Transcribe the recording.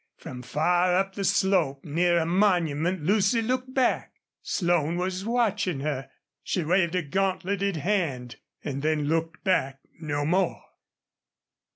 From far up the slope near a monument Lucy looked back. Slone was watching her. She waved a gauntleted hand and then looked back no more.